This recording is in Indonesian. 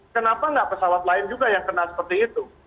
kenapa nggak pesawat lain juga yang kena seperti itu